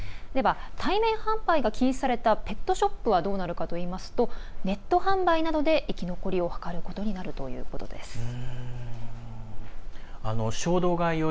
では対面販売が禁止されたペットショップはどうなるかといいますとネット販売などで生き残りを図ることになるということです。